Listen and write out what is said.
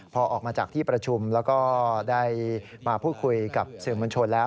พอออกมาจากที่ประชุมแล้วก็ได้มาพูดคุยกับสื่อมวลชนแล้ว